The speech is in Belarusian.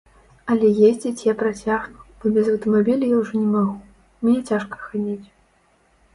Але ездзіць я працягну, бо без аўтамабіля я ўжо не магу, мне цяжка хадзіць.